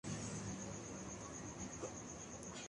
جو یَہاں کا جنگلات کےحسن کو چار چاند لگنا دینا ہونا